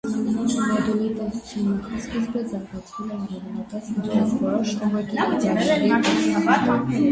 Մոդուլի տեսության նախասկիզբը զարգացվել է առավելապես ինչպես որոշ օղակի իդելաների տեսություն։